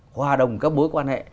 hòa đồng các bối quan hệ